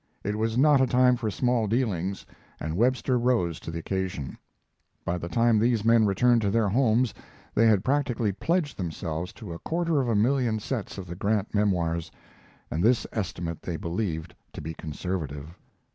It was not a time for small dealings, and Webster rose to the occasion. By the time these men returned to their homes they had practically pledged themselves to a quarter of a million sets of the Grant Memoirs, and this estimate they believed to be conservative.